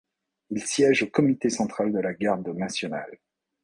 Il siège au Comité central de la Garde nationale.